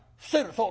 そう。